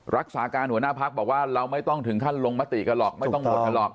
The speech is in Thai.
รักษาการหัวหน้าพักบอกว่าเราไม่ต้องถึงท่านลงมติก็หรอก